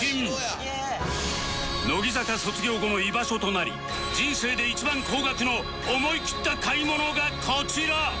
乃木坂卒業後の居場所となり人生で一番高額の思いきった買い物がこちら